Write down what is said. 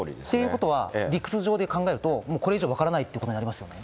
ということは理屈上で考えるともうこれ以上、わからないとなりますね。